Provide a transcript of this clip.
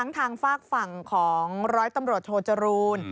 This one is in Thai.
ทั้งฝากฝั่งของร้อยตำรวจฮรูน